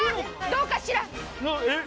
どうかしら？